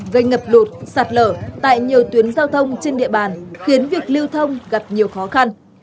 gây ngập lụt sạt lở tại nhiều tuyến giao thông trên địa bàn khiến việc lưu thông gặp nhiều khó khăn